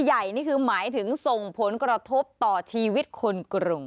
นี่คือหมายถึงส่งผลกระทบต่อชีวิตคนกรุง